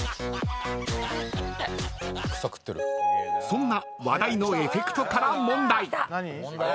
［そんな話題のエフェクトから問題］